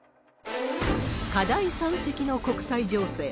課題山積の国際情勢。